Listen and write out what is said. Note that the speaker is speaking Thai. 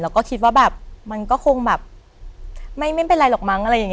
เราก็คิดว่ามันก็คงไม่เป็นไรหรอกมั้ง